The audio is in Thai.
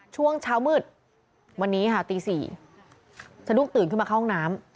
ช่วงเช้ามืดวันนี้ค่ะตี๔สะดุ้งตื่นขึ้นมาเข้าห้องน้ำ